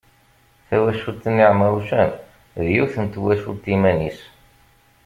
Tawacult n Iɛemrucen, d yiwet n twacult iman-is.